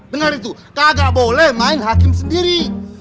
dengar itu kakak boleh main hakim sendiri